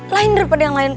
lain daripada yang lain